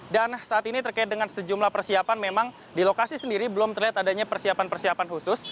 dan saat ini terkait dengan sejumlah persiapan memang di lokasi sendiri belum terlihat adanya persiapan persiapan khusus